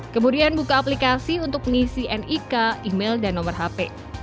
kemudian buka aplikasi untuk mengisi nik email dan nomor hp